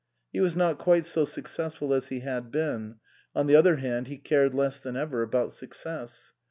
He was not quite so successful as he had been ; on the other hand, he cared less than ever about success.